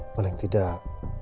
malah yang tidak